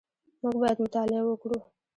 موږ باید مطالعه وکړو